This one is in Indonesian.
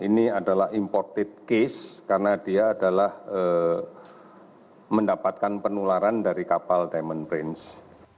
ini adalah imported case karena dia adalah mendapatkan penularan dari kapal diamond prince